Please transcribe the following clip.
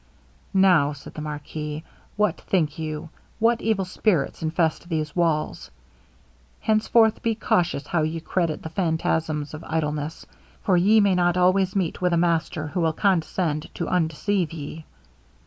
'Now,' said the marquis, 'what think ye? What evil spirits infest these walls? Henceforth be cautious how ye credit the phantasms of idleness, for ye may not always meet with a master who will condescend to undeceive ye.'